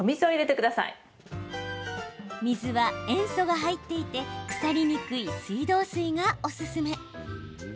水は、塩素が入っていて腐りにくい水道水がおすすめ。